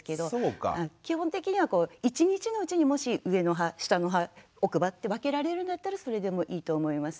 基本的には一日のうちにもし上の歯下の歯奥歯って分けられるんだったらそれでもいいと思います。